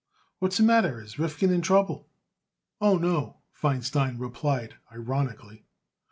"What's the matter? Is Rifkin in trouble?" "Oh, no," Feinstein replied ironically.